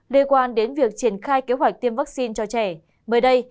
đề quan đến việc triển khai kế hoạch tiêm vaccine cho trẻ mời đây